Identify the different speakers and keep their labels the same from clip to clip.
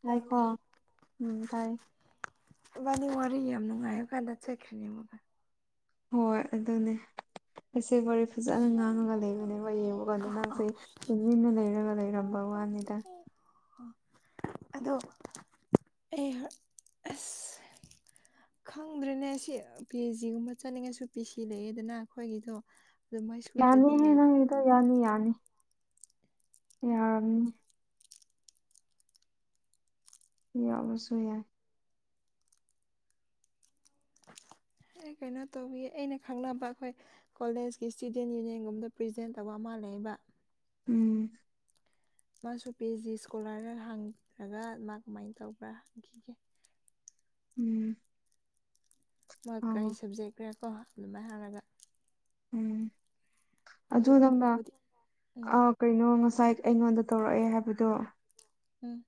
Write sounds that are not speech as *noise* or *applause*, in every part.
Speaker 1: ꯇꯥꯏꯀꯣ
Speaker 2: ꯇꯥꯕ꯭ꯔꯥ
Speaker 1: ꯎꯝ ꯇꯥꯏ
Speaker 2: ꯏꯕꯥꯅꯤ ꯋꯥꯔꯤ ꯌꯥꯝ ꯅꯨꯡꯉꯥꯏꯔ ꯀꯥꯟꯗ ꯆꯠꯈ꯭ꯔꯦꯅꯦꯕꯒ
Speaker 1: ꯍꯣꯏ ꯑꯗꯨꯅꯦ ꯑꯁꯤ ꯋꯥꯔꯤ ꯐꯖꯅ ꯉꯥꯡꯉꯒ ꯂꯩꯕꯅꯦꯕ ꯌꯦꯡꯕ ꯀꯥꯟꯗ ꯅꯪꯁꯦ ꯇꯨꯃꯤꯟꯅ ꯂꯩꯔꯒ ꯂꯩꯔꯝꯕ ꯋꯥꯅꯤꯗ
Speaker 2: ꯑꯗꯣ ꯑꯩ ꯑꯁ ꯈꯪꯗ꯭ꯔꯤꯅꯦ ꯁꯤ ꯄꯤꯆ ꯖꯤꯒꯨꯝꯕ ꯆꯠꯅꯤꯡꯉꯁꯨ ꯄꯤ ꯁꯤ ꯂꯩꯌꯦꯗꯅ ꯑꯩꯈꯣꯏꯒꯤꯗꯣ ꯑꯗꯨꯃꯥꯏ ꯁꯨꯗ꯭ꯔꯗꯤ
Speaker 1: ꯌꯥꯅꯤꯍꯦ
Speaker 2: ꯂꯩ
Speaker 1: ꯅꯪ ꯒꯤꯗꯣ ꯌꯥꯅꯤ ꯌꯥꯅꯤ ꯌꯥꯔꯅꯤ ꯌꯥꯎꯕꯁꯨ ꯌꯥꯏ
Speaker 2: ꯑꯩ ꯀꯩꯅꯣ ꯇꯧꯋꯤ ꯑꯩꯅ ꯈꯪꯅꯕ ꯑꯩꯈꯣꯏ ꯀꯣꯂꯦꯖꯀꯤ ꯏꯁꯇꯨꯗꯦꯟ ꯌꯨꯅꯤꯌꯟꯒꯨꯝꯗ ꯄ꯭ꯔꯖꯦꯟ ꯇꯧꯕ ꯑꯃꯜꯂꯩꯕ
Speaker 1: ꯎꯝ
Speaker 2: ꯃꯥꯁꯨ ꯄꯤ ꯑꯩꯆ ꯗꯤ ꯏꯁꯀꯣꯂꯥꯔꯗ ꯍꯥꯡꯈ꯭ꯔꯒ ꯃꯥ ꯀꯃꯥꯏꯅ ꯇꯧꯕ꯭ꯔꯥ ꯍꯪꯈꯤꯒꯦ
Speaker 1: ꯎꯝ
Speaker 2: ꯃꯣꯏ
Speaker 1: ꯑꯧ
Speaker 2: ꯀꯔꯤ ꯁꯕꯖꯦꯛꯈ꯭ꯔꯦꯀꯣ ꯑꯗꯨꯃꯥꯏꯅ ꯍꯥꯏꯔꯒ
Speaker 1: ꯎꯝ ꯑꯗꯨ
Speaker 2: ꯑꯩ
Speaker 1: ꯅꯪꯅ
Speaker 2: ꯃꯥꯕꯨꯗꯤ ꯎꯝ
Speaker 1: ꯑ ꯀꯩꯅꯣ ꯉꯁꯥꯏ ꯑꯩꯉꯣꯟꯗ ꯇꯧꯔꯛꯑꯦ ꯍꯥꯏꯕꯗꯣ
Speaker 2: ꯎꯝ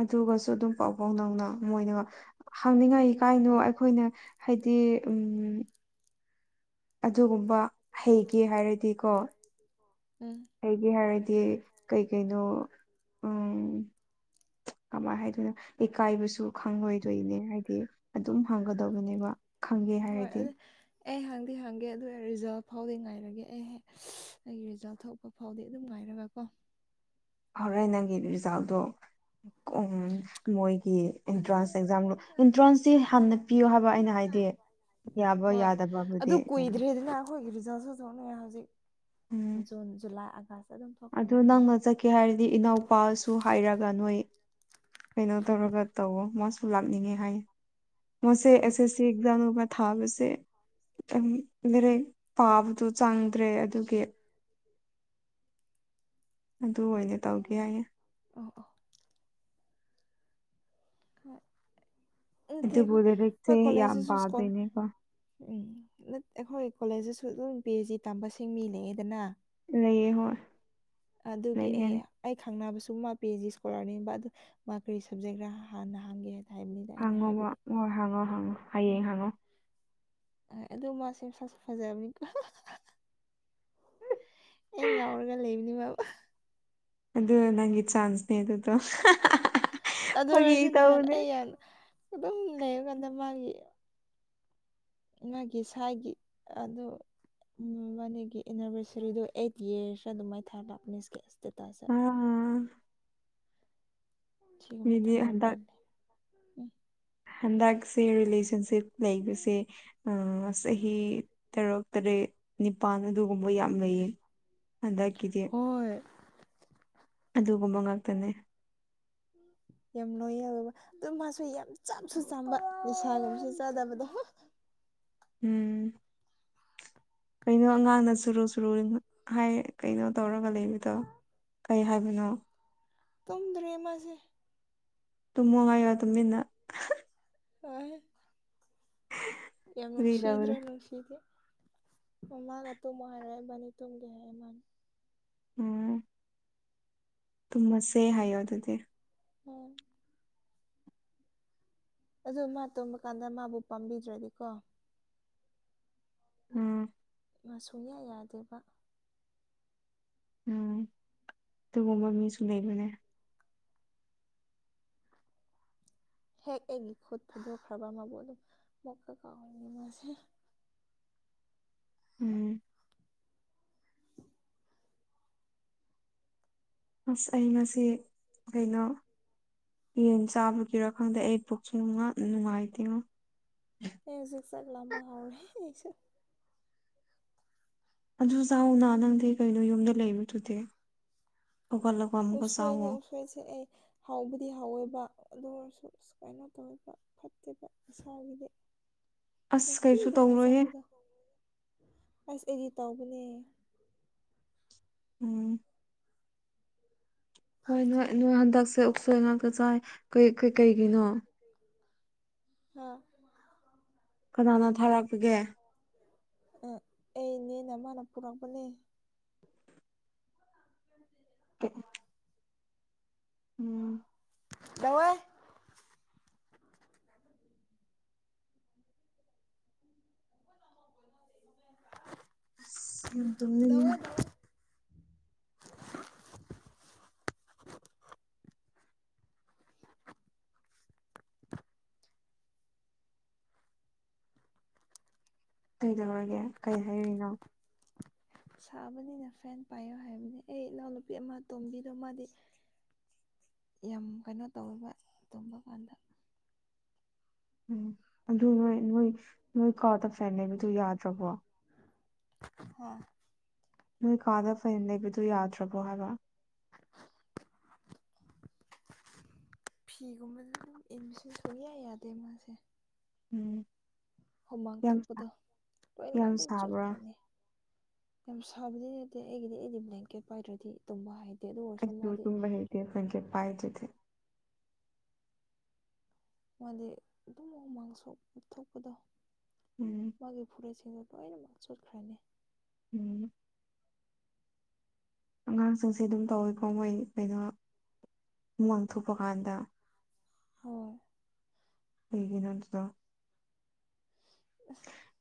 Speaker 1: ꯑꯗꯨꯒꯁꯨ ꯑꯗꯨꯝ ꯄꯥꯎ ꯐꯥꯎ ꯅꯪꯅ ꯃꯣꯏꯅꯒ ꯍꯪꯅꯤꯡꯉꯥꯏ ꯀꯥꯏꯅꯣ ꯑꯩꯈꯣꯏꯅ ꯍꯥꯏꯗꯤ ꯎꯝ ꯑꯗꯨꯒꯨꯝꯕ ꯍꯩꯒꯦ ꯍꯥꯏꯔꯗꯤꯀꯣ
Speaker 2: ꯎꯝ
Speaker 1: ꯑꯩꯒꯤꯦ ꯍꯥꯏꯔꯗꯤ ꯀꯩꯀꯩꯅꯣ ꯎꯝ ꯀꯃꯥꯏꯅ ꯍꯥꯏꯗꯣꯏꯅꯣ ꯂꯩꯀꯥꯏꯕꯁꯨ ꯈꯪꯂꯣꯏꯗꯣꯏꯅꯦ ꯍꯥꯏꯗꯤ ꯑꯗꯨꯝ ꯍꯪꯒꯗꯕꯅꯦꯕ
Speaker 2: ꯍꯣꯏ ꯑꯗꯨ ꯑꯩ ꯍꯪꯗꯤ ꯍꯪꯒꯦ ꯑꯗꯨ ꯔꯤꯖꯜ ꯐꯥꯎꯗꯤ ꯉꯥꯏꯔꯒꯦ ꯑꯩꯍꯦꯛ ꯑꯩꯒꯤ ꯔꯤꯖꯜꯠ ꯊꯣꯛꯄ ꯐꯥꯎꯗꯤ ꯑꯗꯨꯝ ꯉꯥꯏꯔꯒ ꯀꯣ
Speaker 1: ꯍꯧꯔꯦ ꯅꯪꯒꯤ ꯔꯤꯖꯥꯜꯗꯣ ꯃꯣꯏꯒꯤ ꯑꯦꯟꯇ꯭ꯔꯥꯟꯁ ꯑꯦꯛꯖꯥꯝ
Speaker 2: ꯑꯁ
Speaker 1: ꯑꯦꯟꯇ꯭ꯔꯥꯟꯁꯁꯤ ꯍꯥꯟꯅ ꯄꯤꯌꯨ ꯍꯥꯏꯕ ꯑꯩꯅ ꯍꯥꯏꯗꯤ ꯌꯥꯕꯣ
Speaker 2: ꯍꯣꯏ ꯑꯗꯨ
Speaker 1: ꯌꯥꯗꯕꯕꯨꯗꯤ ꯀꯩꯩꯅꯣ
Speaker 2: ꯀꯨꯏꯗ꯭ꯔꯦꯗꯅ ꯑꯩꯈꯣꯏꯒꯤ ꯔꯤꯖꯜꯁꯨ ꯊꯣꯛꯅꯌꯦ ꯍꯧꯖꯤꯛ
Speaker 1: ꯎꯝ
Speaker 2: ꯖꯨꯟ ꯖꯨꯂꯥꯏ ꯑꯥꯒꯁ
Speaker 1: ꯑꯗꯨ ꯅꯪꯅ ꯆꯠꯀꯦ ꯍꯥꯏꯔꯗꯤ ꯏꯅꯥꯎꯄꯥꯁꯨ ꯍꯥꯏꯔꯒ ꯅꯣꯏ ꯀꯩꯅꯣ ꯇꯧꯔꯒ ꯇꯧꯋꯣ ꯃꯥꯁꯨ ꯂꯥꯛꯅꯤꯡꯉꯦ ꯍꯥꯏ ꯃꯁꯦ ꯑꯦꯁ
Speaker 2: ꯍꯣꯏ
Speaker 1: ꯑꯦꯁ ꯁꯤ ꯑꯦꯛꯖꯝ ꯊꯥꯕꯁꯦ ꯃꯔꯦ ꯄꯥꯕꯗꯨ ꯆꯪꯗ꯭ꯔꯦ ꯑꯗꯨꯒꯤ ꯑꯗꯨ ꯑꯣꯏꯅ ꯇꯧꯒꯦ ꯍꯥꯏꯌꯦ
Speaker 2: ꯑ ꯑ ꯍꯣꯏ ꯎ ꯊ
Speaker 1: ꯑꯗꯨꯕꯨ
Speaker 2: ꯍꯣꯏ
Speaker 1: ꯂꯥꯏꯔꯤꯛꯁꯦ
Speaker 2: ꯍꯣꯏ
Speaker 1: ꯌꯥꯝ
Speaker 2: ꯀꯣꯂꯦꯖꯁꯤꯁꯨ ꯁꯀꯣꯜ
Speaker 1: ꯄꯥꯗꯣꯏꯅꯦꯀꯣ
Speaker 2: ꯎꯝ ꯑꯩꯈꯣꯏ ꯀꯣꯂꯦꯖꯇꯁꯨ ꯑꯗꯨꯝ ꯄꯤ ꯑꯩꯆ ꯗꯤ ꯇꯝꯕꯁꯤꯡ ꯃꯤ ꯂꯩꯑꯦꯗꯅ
Speaker 1: ꯂꯩꯌꯦ ꯍꯣꯏ
Speaker 2: ꯑꯗꯨꯒꯤ ꯑꯦ
Speaker 1: ꯂꯩꯒꯅꯤ
Speaker 2: ꯑꯩ ꯈꯪꯅꯕ ꯁꯨꯝ ꯃꯥ ꯄꯤ ꯑꯩꯆ ꯗꯤ ꯏꯁꯀꯣꯂꯔꯅꯤꯕ ꯑꯗꯨ ꯃꯥ ꯀꯔꯤ ꯁꯞꯖꯦꯛ ꯈꯔ ꯍꯥꯟꯅ ꯍꯥꯡꯒꯦ ꯍꯥꯏ
Speaker 1: ꯍꯪꯉꯣꯕ ꯍꯣꯏ ꯍꯪꯉꯣ ꯍꯥꯡꯉꯣ ꯍꯌꯦꯡ ꯍꯪꯉꯣ
Speaker 2: ꯍ ꯑꯗꯨ ꯃꯥꯁꯦ ꯐꯁ ꯐꯖꯕꯅꯤꯀꯣ ꯑꯩ ꯉꯥꯎꯔꯒ ꯂꯩꯕꯅꯤ ꯃꯥꯕ
Speaker 1: ꯑꯗꯨꯗ ꯅꯪꯒꯤ ꯆꯥꯟꯁꯅꯦꯗꯨꯣ ꯐ ꯇꯎꯅꯦ
Speaker 2: ꯑꯦꯟ ꯑꯗꯨꯝ ꯂꯩꯔꯀꯥꯟꯗ ꯃꯥꯒꯤ ꯃꯥꯒꯤ ꯁ꯭ꯋꯥꯥꯏꯒꯤ ꯑꯗꯨ ꯎꯝꯕꯥꯅꯤꯒꯤ ꯑꯦꯅꯤꯚꯔꯁꯔꯤꯗꯣ ꯑꯩꯠ ꯌꯔꯁ ꯑꯗꯨꯝ ꯃꯥꯏ ꯊꯥꯔ ꯂꯥꯛꯄꯅꯦ ꯏꯁꯀꯤ ꯏꯁꯇꯦꯇꯥꯁ
Speaker 1: ꯎ
Speaker 2: ꯁꯤꯒꯨꯝꯗꯤ
Speaker 1: ꯃꯤꯗꯤ
Speaker 2: ꯊꯃꯣꯏ
Speaker 1: ꯍꯟꯗꯛ
Speaker 2: ꯄꯥꯏꯂꯦ
Speaker 1: ꯍꯟꯗꯛꯁꯦ ꯔꯤꯂꯦꯁꯟꯁꯤꯞ ꯂꯩꯕꯁꯦ ꯑ ꯆꯍꯤ ꯇꯔꯨꯛ ꯇꯔꯦꯠ ꯅꯤꯄꯥꯜ ꯑꯗꯨꯒꯨꯝꯕ ꯌꯥꯝ ꯂꯩꯌꯦ ꯑꯗꯀꯗ
Speaker 2: ꯍꯣꯏ
Speaker 1: ꯑꯗꯨꯒꯨꯝꯕ ꯉꯥꯛꯇꯅꯦ
Speaker 2: ꯌꯥꯝ ꯅꯣꯏꯌꯦꯕ ꯑꯗꯨ ꯃꯥꯁꯨ ꯌꯥꯝ ꯆꯥꯁꯨ ꯆꯥꯕ ꯅꯤꯁꯥꯒꯨꯝꯁ ꯆꯥꯗꯕꯗꯣ
Speaker 1: ꯎꯝ ꯀꯩꯅꯣ ꯑꯉꯥꯡꯅ ꯁꯨꯔꯨ ꯁꯨꯔꯨ ꯍꯥꯏ ꯀꯩꯅꯣ ꯇꯧꯔꯒ ꯂꯩꯕꯗꯣ ꯀꯩ ꯍꯥꯏꯕꯅꯣ
Speaker 2: ꯇꯨꯝꯗ꯭ꯔꯔꯤ ꯃꯥꯁꯦ
Speaker 1: ꯇꯨꯝꯃꯣꯉꯥꯏꯣ ꯇꯃꯤꯟꯅ
Speaker 2: ꯑ ꯌꯥꯝ ꯃꯁꯤꯗ꯭ꯔꯦ
Speaker 1: ꯐꯔꯤꯗꯕꯅꯦ
Speaker 2: ꯃꯅꯨꯡꯁꯤꯗꯦ ꯃꯃꯒ ꯇꯨꯝ ꯍꯔꯦ ꯃꯥꯅꯤ ꯇꯨꯝꯒꯦ ꯍꯥꯏꯦꯃꯅꯤ
Speaker 1: ꯎꯝ ꯇꯨꯝꯃꯁꯦ ꯍꯥꯏꯌꯣ ꯑꯗꯨꯗꯤ
Speaker 2: ꯎꯝ ꯑꯗ ꯃꯥ ꯇꯣꯝꯕ ꯀꯥꯟꯗ ꯃꯥꯕꯨ ꯄꯥꯝꯕꯤꯗ꯭ꯔꯗꯤꯀꯣ
Speaker 1: ꯎꯝ
Speaker 2: ꯁꯨꯡꯌꯥ ꯌꯥꯗꯦꯕ
Speaker 1: ꯎꯝ ꯑꯗꯨꯒꯨꯝꯕ ꯃꯤꯁꯨ ꯂꯩꯕꯅꯦ
Speaker 2: ꯍꯦꯛ ꯑꯩꯒꯤ ꯈꯨꯠ ꯊꯥꯗꯣꯛꯈ꯭ꯔꯕ ꯃꯕꯨ ꯑꯗꯨꯝ ꯃꯨꯛꯀ ꯀꯥꯎꯔꯤꯅꯤ ꯃꯣꯏꯁꯦ꯫
Speaker 1: ꯎꯝ ꯑꯁ ꯑꯩ ꯉꯁꯤ ꯀꯩꯅꯣ ꯌꯦꯟ ꯆꯥꯕꯒꯤꯔꯥ ꯈꯪꯗꯦ ꯑꯩ ꯄꯨꯛꯁꯨ ꯅꯨꯡꯉꯥ ꯅꯨꯡꯉꯥꯏꯇꯦꯉꯣ
Speaker 2: ꯑꯩ ꯍꯧꯖꯤꯛ ꯆꯥꯛ ꯂꯥꯝꯕꯥ ꯍꯧꯔꯦ ꯑꯩꯁꯨ꯫
Speaker 1: ꯑꯗꯨ ꯆꯥꯎꯅꯥ ꯅꯪꯗꯤ ꯀꯩꯅꯣ ꯌꯨꯝꯗ ꯂꯩꯕꯗꯨꯗꯤ ꯍꯧꯒꯠꯂꯒ ꯑꯃꯨꯛꯀ
Speaker 2: ꯎꯁꯣꯏꯅꯤ
Speaker 1: ꯆꯥꯋꯣ
Speaker 2: ꯎꯁꯣꯏꯁꯦ ꯑꯩ ꯍꯥꯎꯕꯗꯤ ꯍꯥꯎꯋꯦꯕ ꯑꯗꯨ ꯑꯣꯏꯔꯁꯨ ꯁꯨꯃꯥꯏꯅ ꯇꯧꯋꯦꯕ ꯐꯠꯇꯦꯕ ꯏꯁꯥꯒꯤꯗꯤ
Speaker 1: ꯑꯁ
Speaker 2: ꯅꯨꯡꯇꯤ
Speaker 1: ꯀꯩꯁꯨ
Speaker 2: ꯑꯗꯨꯃꯥꯏꯅ
Speaker 1: ꯇꯧꯔꯣꯏꯍꯦ
Speaker 2: ꯆꯥꯕꯗꯣ ꯑꯁ ꯑꯩꯗꯤ ꯇꯧꯕꯅꯦ
Speaker 1: ꯎꯝ ꯍꯣꯏ ꯅꯣꯏ ꯅꯣꯏ ꯍꯟꯗꯛꯁꯦ ꯎꯠꯁꯣꯏ ꯉꯥꯛꯇ ꯆꯥꯏ ꯀꯩ ꯀꯩ ꯀꯩꯒꯤꯅꯣ
Speaker 2: ꯍꯥ
Speaker 1: ꯀꯅꯥꯅ ꯊꯥꯔꯛꯄꯒꯦ
Speaker 2: ꯑ ꯑꯩꯅꯦ ꯅꯃꯥꯅ ꯄꯨꯔꯛꯄꯅꯦ
Speaker 1: ꯎꯝ
Speaker 2: ꯇꯧ *unintelligible* *unintelligible*
Speaker 1: ꯑꯁ ꯌꯥꯝ ꯇꯝꯅꯤꯡꯉꯦ
Speaker 2: ꯗꯋꯥꯏ ꯗꯋꯥꯏ
Speaker 1: ꯀꯩꯗꯧꯔꯒꯦ ꯀꯩ ꯍꯥꯏꯔꯤꯅꯣ
Speaker 2: ꯁꯥꯕꯅꯤꯅ ꯐꯦꯟ ꯄꯥꯏꯌꯣ ꯍꯥꯏꯕꯅꯦ ꯑꯩ ꯏꯅꯥꯎꯅꯨꯄꯤ ꯑꯃ ꯇꯣꯝꯕꯤꯗꯣ ꯃꯥꯗꯤ꯫ ꯌꯥꯝ ꯀꯩꯅꯣ ꯇꯧꯋꯦꯕ ꯇꯨꯝꯕ ꯀꯥꯟꯗ
Speaker 1: ꯎꯝ ꯑꯗꯨ ꯅꯣꯏ ꯅꯣꯏ ꯅꯣꯏ ꯀꯥꯗ ꯐꯦꯟ ꯂꯩꯕꯗꯣ ꯌꯥꯗ꯭ꯔꯕꯣ
Speaker 2: ꯍꯣꯏ
Speaker 1: ꯅꯣꯏ ꯀꯥꯗ ꯐꯦꯟ ꯂꯩꯕꯗꯣ ꯌꯥꯗ꯭ꯔꯕꯣ ꯍꯥꯏꯕ
Speaker 2: *unintelligible* ꯐꯤꯒꯨꯝꯕ ꯑꯗꯨꯝ ꯏꯟꯕꯁꯦ ꯁꯨꯛꯌꯥ ꯌꯥꯗꯦ ꯃꯥꯁꯦ
Speaker 1: ꯎꯝ
Speaker 2: ꯍꯨꯃꯥꯡ
Speaker 1: ꯌꯥꯝ
Speaker 2: ꯊꯣꯛꯄꯗ ꯂꯣꯏꯅꯃꯛ
Speaker 1: ꯌꯥꯝ
Speaker 2: ꯑꯗꯨꯝ
Speaker 1: ꯁꯥꯕ꯭ꯔꯥ
Speaker 2: ꯆꯣꯠꯈ꯭ꯔꯅꯤ ꯌꯥꯝ ꯁꯥꯕꯗꯤ ꯅꯠꯇꯦ ꯑꯩꯒꯤꯗꯤ ꯑꯩꯗꯤ ꯕ꯭ꯂꯥꯡꯀꯦꯠ ꯄꯥꯏꯗ꯭ꯔꯗꯤ ꯇꯨꯝꯃꯣ ꯍꯥꯏꯗꯦ ꯑꯗꯣ
Speaker 1: ꯑꯩꯁꯨ ꯇꯨꯝꯕ ꯍꯩꯇꯦ ꯕ꯭ꯂꯥꯡꯀꯦꯠ ꯄꯥꯏꯗ꯭ꯔꯗꯤ
Speaker 2: ꯃꯥꯗꯤ ꯑꯗꯨꯝ ꯍꯨꯃꯥꯡ ꯁꯧꯕ ꯊꯣꯛꯄꯗꯣ
Speaker 1: ꯎꯝ
Speaker 2: ꯃꯥꯒꯤ ꯐꯨꯔꯤꯠꯁꯤꯡꯗꯣ ꯂꯣꯏꯅꯃꯛ ꯆꯣꯠꯈ꯭ꯔꯅꯤ
Speaker 1: ꯎꯝ ꯑꯉꯥꯡꯁꯤꯡꯁꯦ ꯑꯗꯨꯝ ꯇꯧꯋꯦꯀꯣ ꯃꯣꯏ ꯀꯩꯅꯣ ꯍꯨꯃꯥꯡ ꯊꯣꯛꯄ ꯀꯥꯟꯗ
Speaker 2: ꯍꯣꯏ
Speaker 1: ꯀꯩꯒꯤꯅꯣ ꯑꯗꯨꯗꯣ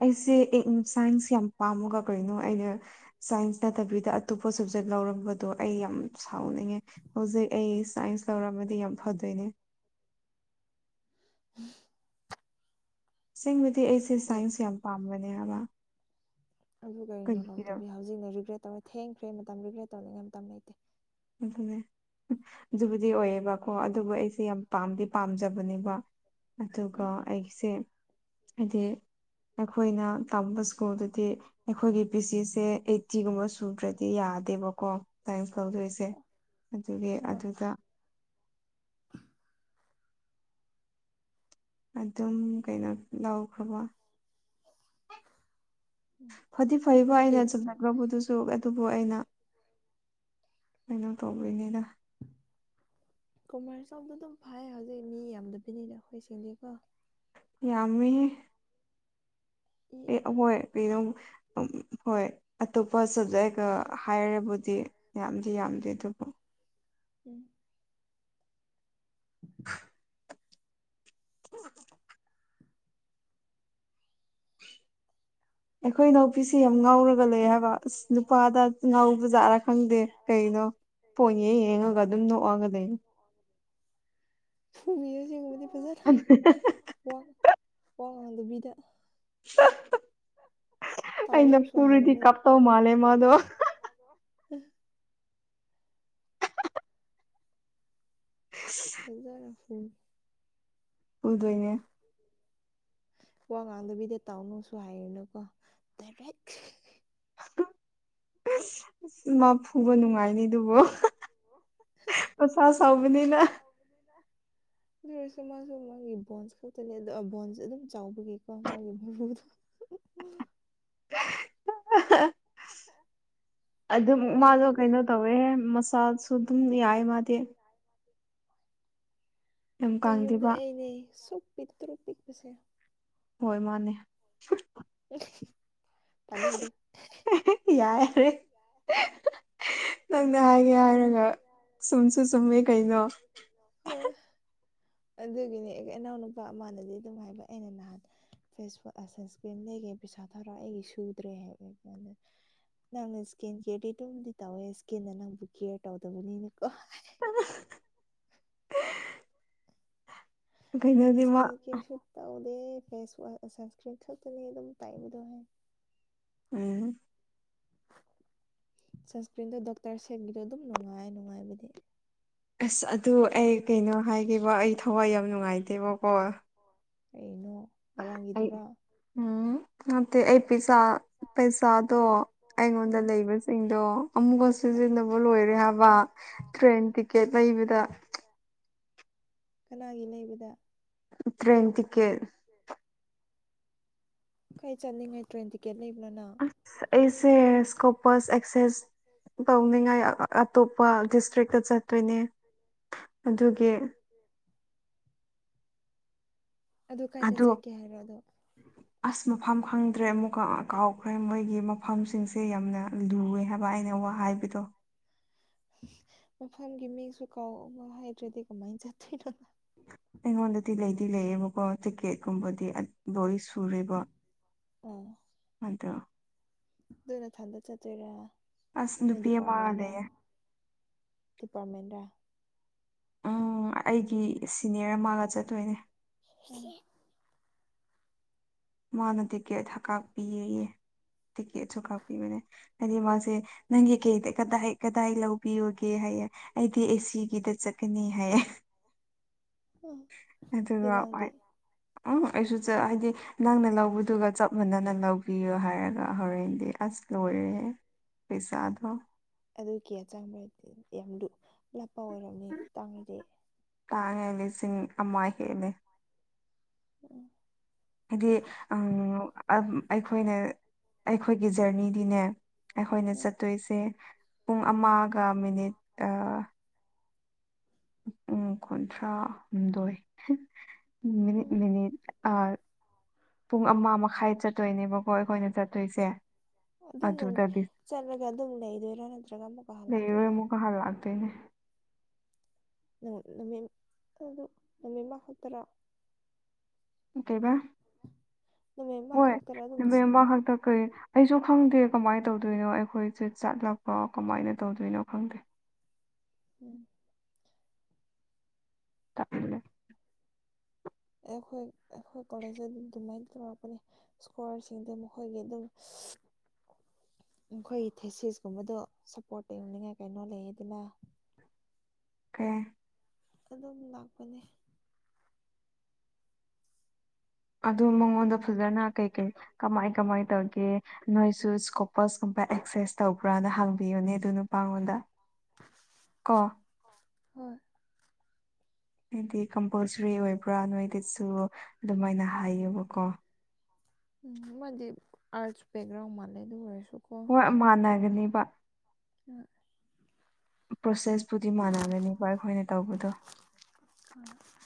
Speaker 1: ꯑꯩꯁꯦ
Speaker 2: ꯅꯪꯗꯤ
Speaker 1: ꯁꯥꯏꯟꯁ ꯌꯥꯝ ꯄꯥꯝꯃꯒ ꯀꯩꯅꯣ ꯑꯩꯅ ꯁꯥꯏꯟꯁ ꯅꯠꯇꯕꯤꯗ ꯑꯇꯣꯞꯄ ꯁꯕꯖꯦꯛ ꯂꯧꯔꯝꯕꯗꯣ ꯑꯩ ꯌꯥꯝ ꯁꯥꯎꯅꯤꯡꯉꯦ ꯍꯧꯖꯤꯛ ꯑꯩ ꯁꯥꯏꯟꯁ ꯂꯧꯔꯃꯗꯤ ꯌꯥꯝ ꯐꯗꯣꯏꯅꯦ
Speaker 2: *unintelligible*
Speaker 1: ꯑꯁꯦꯡꯕꯗꯤ ꯑꯩꯁꯦ
Speaker 2: ꯌꯦꯞ
Speaker 1: ꯁꯥꯏꯟꯁ ꯌꯥꯝ ꯄꯥꯝꯕꯅꯦ ꯍꯥꯏꯕ
Speaker 2: ꯑꯗꯨ ꯀꯔꯤꯅꯣ
Speaker 1: ꯀꯩꯒꯤꯔ
Speaker 2: ꯂꯧꯗꯕꯤ ꯍꯧꯖꯤꯛꯅ ꯔꯤꯒ꯭ꯔꯦꯠ ꯇꯧꯔꯦ ꯊꯦꯡꯈ꯭ꯔꯦ ꯃꯇꯝ ꯔꯤꯒ꯭ꯔꯦꯠ ꯇꯧꯅꯤꯡꯉꯩ ꯃꯇꯝ ꯂꯩꯇꯦ
Speaker 1: ꯑꯗꯨꯅꯦ ꯑꯗꯨꯕꯨꯗꯤ ꯑꯣꯏꯌꯦꯕꯀꯣ ꯑꯗꯨꯕꯨ ꯑꯩꯁꯦ ꯌꯥꯝ ꯄꯥꯝꯗꯤ ꯄꯥꯝꯖꯕꯅꯦꯕ ꯑꯗꯨꯀꯣ
Speaker 2: ꯎꯝ
Speaker 1: ꯑꯩꯁꯦ ꯍꯥꯏꯗꯤ ꯑꯩꯈꯣꯏꯅ ꯇꯝꯕ ꯁ꯭ꯀꯨꯜꯗꯨꯗꯤ ꯑꯩꯈꯣꯏꯒꯤ ꯄꯤ ꯁꯤꯁꯦ ꯑꯥꯏꯇꯤꯒꯨꯝꯕ ꯁꯨꯗ꯭ꯔꯗꯤ ꯌꯥꯗꯦꯕꯀꯣ ꯁꯥꯏꯟꯁ ꯂꯧꯗꯣꯏꯁꯦ ꯁꯦ ꯑꯗꯨꯒꯤ
Speaker 2: ꯍꯣꯏ
Speaker 1: ꯑꯗꯨꯗ ꯑꯗꯨꯝ ꯀꯩꯅꯣ ꯂꯧꯈ꯭ꯔꯕ
Speaker 2: ꯎꯝ
Speaker 1: ꯐꯠꯇ ꯐꯩꯕ
Speaker 2: ꯑꯦ
Speaker 1: ꯑꯩꯩꯅ ꯆ ꯊ꯭ꯔꯕꯨ ꯇꯁꯨ ꯑꯗꯣ ꯑꯩꯅ ꯀꯩꯅꯣ ꯇꯧꯕꯗꯅꯤꯅ
Speaker 2: ꯀꯣꯃꯔꯁ ꯆꯥꯎꯥꯎꯗ ꯑꯗꯨꯝ ꯐꯥꯏ ꯍꯧꯖꯤꯛ ꯃꯤ ꯌꯥꯝꯗꯕꯤꯅꯤꯅ ꯑꯩꯈꯣꯏꯁꯤꯡꯗꯤꯀꯣ
Speaker 1: ꯌꯥꯝꯃꯤ
Speaker 2: ꯏ
Speaker 1: ꯑꯦ ꯍꯣꯏ ꯀ ꯑꯗꯨꯝ ꯎ ꯍꯣꯏ ꯑꯇꯣꯞꯄ ꯁꯕꯖꯦꯛꯀ ꯍꯥꯏꯔꯕꯨꯗꯤ ꯌꯥꯝꯗꯤ ꯌꯥꯝꯗꯦ ꯑꯗꯨ
Speaker 2: ꯎꯝ
Speaker 1: *unintelligible* ꯑꯩꯈꯣꯏ ꯅꯥꯎꯄꯤꯁꯤ ꯌꯥꯝ ꯉꯥꯎꯔꯒ ꯂꯩ ꯍꯥꯏꯕ ꯑꯁ ꯅꯨꯄꯥꯗ ꯉꯥꯎꯕꯖꯥꯠꯔꯥ ꯈꯪꯗꯦ ꯀꯩꯅꯣ ꯄꯣꯏꯉꯦ ꯌꯦꯡꯉꯒ ꯑꯗꯨꯝ ꯅꯣꯛꯑꯒ ꯂꯩ
Speaker 2: ꯐꯕꯤꯏ ꯌꯦ ꯎꯨꯝꯕꯗꯤ ꯐꯖꯥ
Speaker 1: ꯑ
Speaker 2: ꯋꯥ ꯋꯥ ꯉꯥꯡꯗꯨꯕꯤꯗ
Speaker 1: ꯑꯩꯅ
Speaker 2: ꯇꯥꯎꯅꯨꯁꯨ
Speaker 1: ꯄꯨꯔꯨꯗꯤ
Speaker 2: ꯍꯥꯏꯔꯅꯨ
Speaker 1: ꯀꯥꯞꯇꯧ ꯃꯥꯜꯂꯦ ꯃꯥꯗꯣ
Speaker 2: ꯎꯝ ꯍꯖꯔ ꯐꯨ
Speaker 1: ꯎꯗ ꯑꯣꯏꯅꯅꯦ
Speaker 2: ꯋꯥ ꯉꯥꯡꯗꯕꯤꯗ ꯇꯥꯎꯅꯨꯁꯨ ꯍꯥꯏꯔꯤꯅꯀꯣ ꯗꯥꯏꯔꯦꯛ
Speaker 1: ꯑ ꯑꯁ ꯃꯥ ꯐꯨꯕ ꯅꯨꯡꯉꯥꯏꯅꯤ ꯑꯗꯨꯕꯣ ꯑꯣꯁꯥ ꯁꯕꯅꯤꯅ
Speaker 2: ꯀꯂ ꯑꯗꯨ ꯑꯣꯏꯔꯁꯨ ꯃꯥꯁꯨ ꯃꯥꯒꯤ ꯕꯣꯟꯁ ꯈꯛꯇꯅꯦ ꯑꯗꯣ ꯕꯣꯟꯁ ꯑꯗꯨꯝ ꯆꯥꯎꯕꯒꯤꯀꯣ ꯃꯥꯒꯤ ꯃꯔꯨꯗꯣ *unintelligible*
Speaker 1: *unintelligible* ꯑꯗꯨꯝ ꯃꯥꯗꯣ
Speaker 2: ꯑꯩꯅꯦ
Speaker 1: ꯀꯩꯅꯣ ꯇꯧꯋꯦ ꯃꯆꯥꯁꯨ ꯑꯗꯨꯝ ꯌꯥꯏ
Speaker 2: ꯑꯩꯈꯣꯏ
Speaker 1: ꯃꯥꯗꯤ ꯌꯥꯝ
Speaker 2: ꯑꯩꯈꯣꯏ ꯌꯨꯝꯗ
Speaker 1: ꯀꯪꯗꯦꯕ
Speaker 2: ꯑꯩꯅꯦ ꯁꯨꯛ ꯄꯤꯛ ꯇꯔꯨꯛ ꯄꯤꯛꯄꯁꯦ
Speaker 1: ꯍꯣꯏ ꯃꯥꯅꯦ
Speaker 2: ꯇꯅꯤꯗꯦ
Speaker 1: ꯌꯥꯔꯦ ꯅꯪꯅ ꯍꯥꯏꯒꯦ ꯍꯥꯏꯔꯒ ꯁꯨꯝꯁꯨ ꯆꯨꯝꯃꯦ ꯀꯩꯅꯣ
Speaker 2: ꯍꯣꯏ ꯑꯗꯨꯒꯤꯅꯦ ꯑꯩ ꯏꯅꯥꯎꯅ ꯅꯨꯄꯥ ꯑꯃꯅꯗꯤ ꯑꯗꯨꯝ ꯍꯥꯏꯕ ꯑꯩꯅ ꯅꯍꯥꯟ ꯐꯦꯁꯕꯨꯛ ꯁꯟꯁꯀ꯭ꯔꯤꯟ ꯂꯩꯒ ꯄꯩꯁꯥ ꯊꯧꯔꯛ ꯑꯩꯒꯤ ꯁꯨꯗ꯭ꯔꯦ ꯅꯪꯅ ꯏꯁꯀꯤꯟ ꯀꯦꯌꯔꯗꯤ ꯑꯗꯨꯝꯗꯤ ꯇꯧꯋꯦ ꯏꯁꯀꯤꯟꯗ ꯅꯪꯕꯨ ꯀꯦꯌꯔ ꯇꯧꯗꯕꯅꯤꯅꯦꯀꯣ
Speaker 1: ꯑ
Speaker 2: ꯑꯦ
Speaker 1: ꯀꯩꯅꯣꯗꯤ
Speaker 2: ꯑꯦꯁ
Speaker 1: ꯃꯥ
Speaker 2: ꯀꯦ ꯀ ꯁ ꯇꯗ ꯐꯦꯁ ꯁꯁꯀ ꯁꯇꯅꯤ ꯑꯗꯨꯝ ꯇꯥꯏꯕꯗ ꯍꯥꯏ
Speaker 1: ꯎꯝ
Speaker 2: ꯁꯟꯁꯀ꯭ꯔꯤꯟꯗꯣ ꯗꯣꯛꯇꯔ ꯁꯦꯦꯛꯒꯤꯗꯣ ꯑꯗꯨꯝ ꯅꯨꯡꯉꯥꯏ ꯅꯨꯡꯉꯥꯏꯕꯗꯤ
Speaker 1: ꯑꯁ ꯑꯗꯨ ꯑꯩ ꯀꯩꯅꯣ ꯍꯥꯏꯒꯕ ꯑꯩ ꯊꯋꯥꯏ ꯌꯥꯝ ꯅꯨꯡꯉꯥꯏꯇꯦꯕꯀꯣ
Speaker 2: ꯀꯩꯅꯣ
Speaker 1: ꯑꯩ
Speaker 2: ꯉꯔꯥꯡꯒꯤꯗꯨꯔꯥ
Speaker 1: ꯎꯝ ꯅꯠꯇꯦ ꯑꯩ ꯄꯥ ꯄꯩꯁꯥꯗꯣ ꯑꯩꯉꯣꯟꯗ
Speaker 2: ꯎꯝ
Speaker 1: ꯂꯩꯕꯁꯤꯡꯗꯣ ꯑꯃꯨꯛꯀ
Speaker 2: ꯑꯣ
Speaker 1: ꯁꯤꯖꯤꯟꯅꯕ ꯂꯣꯏꯔꯦ ꯍꯥꯏꯕ ꯇ꯭ꯔꯦꯟ ꯇꯤꯛꯀꯦꯠ ꯂꯩꯕꯗ
Speaker 2: ꯀꯅꯥꯒꯤ ꯂꯩꯕꯗ
Speaker 1: ꯇ꯭ꯔꯦꯟꯦꯟꯇꯤꯀꯦ
Speaker 2: ꯀꯩ ꯆꯠꯅꯤꯡꯉꯥꯏ ꯇ꯭ꯔꯦꯟ ꯇꯤꯛꯀꯦꯠ ꯂꯩꯕꯅꯣꯅ
Speaker 1: ꯑꯁ ꯑꯩꯁꯦ ꯁ꯭ꯀꯣꯄꯁ ꯑꯦꯛꯁꯦꯁ ꯇꯧꯅꯤꯡꯉꯥꯏ ꯑꯇꯣꯞꯄ ꯗꯤꯁꯇ꯭ꯔꯤꯛꯇ ꯆꯠꯇꯣꯏꯅꯦ
Speaker 2: ꯎ
Speaker 1: ꯑꯗꯨꯒꯤ
Speaker 2: ꯑꯗꯨ ꯀꯥꯏꯗ
Speaker 1: ꯑꯗꯣ
Speaker 2: ꯆꯠꯀꯦ ꯍꯥꯏꯔꯣ ꯑꯗꯣ
Speaker 1: ꯑꯁ ꯃꯐꯝ ꯈꯪꯗ꯭ꯔꯦ ꯑꯃꯨꯛ ꯀꯥꯎꯈ꯭ꯔꯦ ꯃꯣꯏꯒꯤ ꯃꯝꯁꯤꯡꯁꯦ ꯌꯥꯝꯅ ꯂꯨꯑꯦ ꯍꯥꯏꯕ ꯑꯩꯅ ꯋꯥ ꯍꯥꯏꯕꯗꯣ
Speaker 2: ꯃꯐꯝꯒꯤ ꯃꯤꯁꯨ ꯀꯥꯎꯕ ꯍꯥꯏꯗ꯭ꯔꯗꯤ ꯀꯃꯥꯏꯅ ꯆꯠꯇꯣꯏꯅꯣꯣ
Speaker 1: ꯑꯩꯉꯣꯟꯗꯗꯤ ꯂꯩꯗꯤ ꯂꯩꯌꯦꯕꯀꯣ ꯇꯤꯛꯀꯦꯠꯀꯨꯝꯕꯗꯤ ꯂꯣꯏ ꯁꯨꯔꯦꯕ
Speaker 2: ꯑꯣ
Speaker 1: ꯑꯗꯣ
Speaker 2: ꯑꯗꯨꯅ ꯅꯊꯟꯗ ꯆꯠꯇꯣꯏꯔꯥ
Speaker 1: ꯑꯁ
Speaker 2: ꯅꯣꯏ
Speaker 1: ꯅꯨꯄꯤ ꯑꯃ
Speaker 2: ꯗꯤꯄꯥꯔꯠꯃꯦꯟꯔ
Speaker 1: ꯂꯩꯌꯦ
Speaker 2: ꯗꯤꯄꯥꯔꯠꯃꯦꯟ ꯔ
Speaker 1: ꯎꯝ ꯑꯩꯒꯤ ꯁꯤꯅꯤꯌꯔ ꯑꯃꯒ ꯆꯠꯇꯣꯏꯅꯦ
Speaker 2: *unintelligible*
Speaker 1: ꯃꯥꯅ ꯇꯤꯛꯀꯦꯠ ꯀꯥꯞꯄꯤꯌꯦ ꯇꯤꯛꯀꯦꯠꯁꯨ ꯀꯥꯞꯄꯤꯕꯅꯦ ꯍꯥꯏꯗꯤ ꯃꯥꯁꯦ ꯅꯪꯒꯤ ꯀꯩꯗ ꯀꯗꯥꯏ ꯀꯗꯥꯏ ꯂꯧꯕꯤꯌꯣꯒꯦ ꯍꯥꯏꯌꯦꯦ ꯑꯩꯗꯤ ꯑꯦꯁꯤꯒꯤꯗ ꯆꯠꯀꯅꯤ ꯍꯥꯏꯌꯦ
Speaker 2: ꯎꯝ ꯑꯗꯨ
Speaker 1: ꯑꯗꯨꯒ
Speaker 2: ꯅꯪꯗꯤ
Speaker 1: ꯎꯝ ꯑꯩꯁꯨ ꯍꯥꯏꯗꯤ ꯅꯪꯅ ꯂꯧꯕꯗꯨꯒ ꯆꯞ ꯃꯥꯟꯅꯅ ꯂꯧꯕꯤꯌꯣ ꯍꯥꯏꯔꯒ ꯍꯣꯔꯦꯟꯗꯤ ꯑꯁ ꯂꯣꯏꯔꯦꯍꯦ ꯄꯩꯁꯥꯗꯣ
Speaker 2: ꯑꯗꯨ ꯀꯦ ꯑ ꯆꯪꯕꯗꯤ ꯌꯥꯝ ꯂꯥꯞꯄ ꯑꯣꯏꯔꯝꯅꯤ ꯇꯥꯡꯂꯗꯤ
Speaker 1: ꯇꯥꯡꯉꯦ ꯂꯤꯁꯤꯡ ꯑꯃ ꯍꯦꯜꯂꯦ
Speaker 2: ꯎꯝ
Speaker 1: ꯍꯥꯏꯗꯤ ꯑꯩꯈꯣꯏꯅ ꯑꯩꯈꯣꯏꯒꯤ ꯖꯔꯅꯤꯗꯤꯅꯦ ꯑꯩꯈꯣꯏꯅ
Speaker 2: ꯎꯝ
Speaker 1: ꯆꯠꯇꯣꯏꯁꯦ ꯄꯨꯡ ꯑꯃꯒ ꯃꯤꯅꯤꯠ ꯄꯨꯡ ꯀꯨꯟꯊ꯭ꯔꯥꯍꯨꯝꯗꯣꯏ ꯃꯤꯅꯤꯠ
Speaker 2: ꯎꯝ
Speaker 1: ꯃꯤꯅꯤꯠ ꯑꯃ ꯄꯨꯡ ꯑꯃ ꯃꯈꯥꯏ ꯆꯠꯇꯣꯏꯅꯦꯕꯀꯣ ꯑꯩꯈꯣꯏꯅ ꯆꯠꯇꯣꯏꯁꯦ
Speaker 2: ꯑꯗꯨꯝ
Speaker 1: ꯑꯗꯨꯗꯗꯤ
Speaker 2: ꯆꯠꯂꯒ ꯑꯗꯨꯝ ꯂꯩꯗꯣꯏꯔꯥ ꯅꯠꯇ꯭ꯔꯒ ꯑꯃꯨꯛꯀ ꯍꯜꯂꯛꯇꯣꯏꯔꯥ
Speaker 1: ꯍꯜꯂꯥꯛꯇꯣꯏꯅꯦ
Speaker 2: ꯅꯨ ꯅꯨꯃꯤꯠ ꯑꯗꯣ ꯅꯨꯃꯤꯠ ꯃꯥ ꯈꯛꯇꯔ
Speaker 1: ꯀꯩꯕꯥ
Speaker 2: ꯅꯨꯃꯤꯠ ꯃꯥ ꯈꯥꯛꯇꯔ ꯑꯗꯨꯝ
Speaker 1: ꯅꯨꯃꯤꯠ ꯑꯃ
Speaker 2: *unintelligible*
Speaker 1: ꯈꯛꯇ ꯀꯩ ꯑꯩꯁꯨ ꯈꯪꯗꯦ ꯀꯃꯥꯏꯅ ꯇꯧꯗꯣꯏꯅꯣ ꯑꯩꯈꯣꯏꯁꯦ ꯆꯠꯂꯒ ꯀꯃꯥꯏꯅ ꯇꯧꯗꯣꯏꯅꯣ ꯈꯪꯗꯦ
Speaker 2: *inaudible*
Speaker 1: *unintelligible*
Speaker 2: ꯑꯩꯈꯣꯏ ꯑꯩꯈꯣꯏ ꯀꯣꯂꯦꯖ ꯑꯗꯨꯃꯥꯏꯅ ꯇꯧꯔꯛꯄꯅꯦ ꯏꯁꯀꯣꯔꯁꯤꯡꯗ ꯃꯈꯣꯏꯒꯤ ꯑꯗꯨꯝ ꯃꯈꯣꯏꯒꯤ ꯊꯦꯁꯤꯁꯀꯨꯝꯕꯗꯣ ꯁꯞꯄꯣꯔꯠ ꯇꯧꯔꯅꯤꯡꯉꯥꯏ ꯀꯩꯅꯣ ꯂꯩ ꯑꯗꯨꯅ
Speaker 1: ꯀꯦ
Speaker 2: ꯑꯗꯨꯝ ꯂꯥꯛꯄꯅꯦ
Speaker 1: ꯑꯗꯨ ꯃꯉꯣꯟꯗ ꯐꯖꯅ ꯀꯩꯀꯩ ꯀꯃꯥꯏ ꯀꯃꯥꯏ ꯇꯧꯒꯦ ꯅꯣꯏꯁꯨ ꯁꯀꯣꯄꯁ ꯀꯨꯝꯕ ꯑꯦꯛꯁꯦꯁ ꯇꯧꯕ꯭ꯔꯅ ꯍꯥꯡꯕꯤꯌꯨꯅꯦ ꯑꯗꯨꯅ ꯃꯉꯣꯟꯗ ꯀꯣ
Speaker 2: ꯍꯣꯏ
Speaker 1: ꯍꯥꯏꯗꯤ ꯀꯝꯄꯜꯁꯔꯤ ꯑꯣꯏꯕ꯭ꯔꯥ ꯅꯣꯏꯗꯁꯨ ꯑꯗꯨꯃꯥꯏꯅ ꯍꯥꯏꯌꯣꯕꯀꯣ
Speaker 2: ꯎꯝ ꯃꯥꯗꯤ ꯑꯔꯠꯁ ꯄꯦꯛꯒ꯭ꯔꯥꯎ ꯃꯥ ꯂꯩꯗꯧꯔꯦꯁꯨ
Speaker 1: ꯍꯣꯏ ꯃꯥꯟꯅꯒꯅꯦꯕ
Speaker 2: *inaudible*
Speaker 1: ꯄ꯭ꯔꯣꯁꯦꯁꯄꯨꯗꯤ ꯃꯥꯟꯅꯒꯅꯤꯕ ꯑꯩꯈꯣꯏꯅ ꯇꯧꯕꯗꯣ
Speaker 2: ꯎꯝ *inaudible*